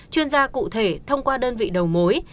chuyên gia cụ thể thông qua đơn vị đầu mối